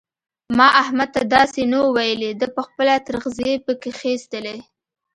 ما احمد ته داسې نه وو ويلي؛ ده په خپله ترخځي په کښېيستلې.